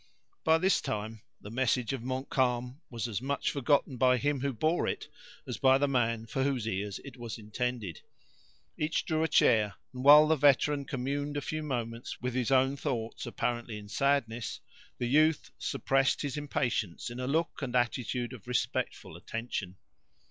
By this time, the message of Montcalm was as much forgotten by him who bore it as by the man for whose ears it was intended. Each drew a chair, and while the veteran communed a few moments with his own thoughts, apparently in sadness, the youth suppressed his impatience in a look and attitude of respectful attention.